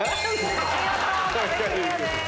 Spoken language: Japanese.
見事壁クリアです。